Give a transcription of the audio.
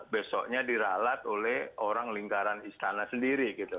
besoknya diralat oleh orang lingkaran istana sendiri gitu